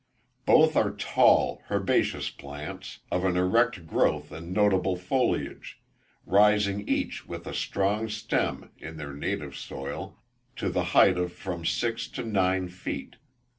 Both are tall, herbaceous plants, of an erect growth and noble foliage, rising each with a strong stem (in their native soil) to the height of from six to nine feet.